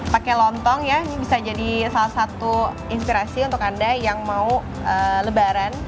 pakai lontong ya bisa jadi salah satu inspirasi untuk anda yang mau lebaran